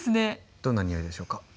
どんなにおいでしょうか？